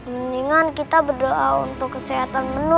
mendingan kita berdoa untuk kesehatan menu